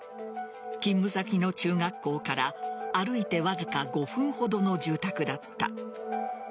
勤務先の中学校から歩いてわずか５分ほどの住宅だった。